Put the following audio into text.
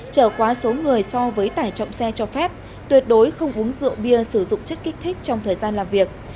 trở quá số người so với tải trọng xe cho phép tuyệt đối không uống rượu bia sử dụng chất kích thích trong thời gian làm việc